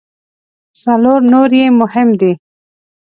څلور نور یې مهم دي.